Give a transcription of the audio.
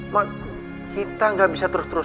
ma kita gak bisa terus berpisah